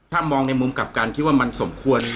ถ้ามองในมุมกลับกันคิดว่ามันสมควร